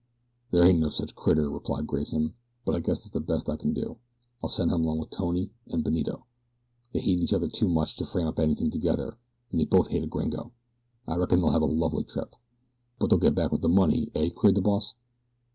"There ain't no sich critter," replied Grayson; "but I guess that's the best I ken do. I'll send him along with Tony an' Benito they hate each other too much to frame up anything together, an' they both hate a gringo. I reckon they'll hev a lovely trip." "But they'll get back with the money, eh?" queried the boss.